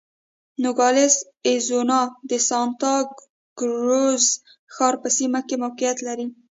نوګالس اریزونا د سانتا کروز ښار په سیمه کې موقعیت لري.